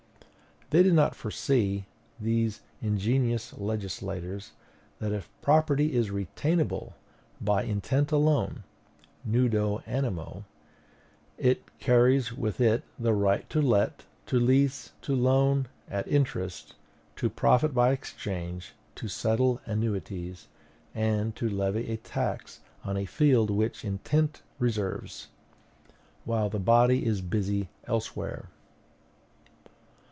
They did not foresee, these ingenuous legislators, that if property is retainable by intent alone nudo animo it carries with it the right to let, to lease, to loan at interest, to profit by exchange, to settle annuities, and to levy a tax on a field which intent reserves, while the body is busy elsewhere.